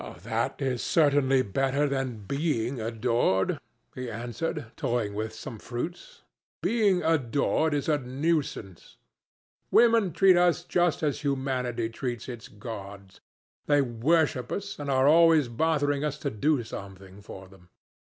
"That is certainly better than being adored," he answered, toying with some fruits. "Being adored is a nuisance. Women treat us just as humanity treats its gods. They worship us, and are always bothering us to do something for them."